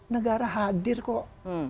negara hadir kok